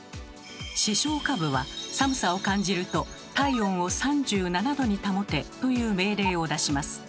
視床下部は寒さを感じると「体温を３７℃に保て」という命令を出します。